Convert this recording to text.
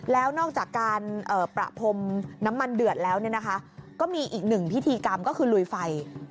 แล้วนอกจากการประพรมน้ำมันเดือดแล้วก็มีอีกหนึ่งพิธีกรรมก็คือลุยไฟ